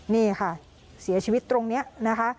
นี่ค่ะเสียชีวิตตรงนี้นะคะ